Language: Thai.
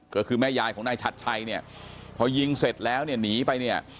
ก็คือแม่ยายของนายชัดชัยเนี่ยพอยิงเสร็จแล้วเนี่ยหนีไปเนี่ย